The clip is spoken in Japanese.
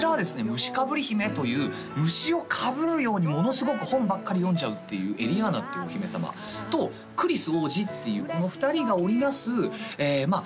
「虫かぶり姫」という虫をかぶるようにものすごく本ばっかり読んじゃうっていうエリアーナっていうお姫様とクリス王子っていうこの２人が織り成すまあ